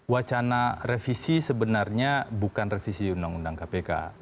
wacana revisi sebenarnya bukan revisi undang undang kpk